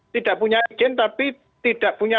tidak punya izin tapi tidak punya